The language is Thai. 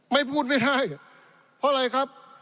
ไม่พูดไม่ได้เพราะอะไรครับ